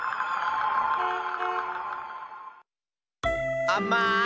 あまい！